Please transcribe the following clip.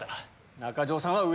中条さんは上？